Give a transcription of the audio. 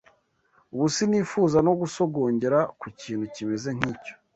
Ubu sinifuza no gusogongera ku kintu kimeze nk’icyo